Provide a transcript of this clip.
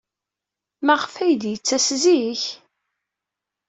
Maɣef ay d-yettas zik?